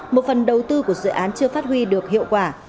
một phần đầu tư của dự án chưa phát huy được hiệu quả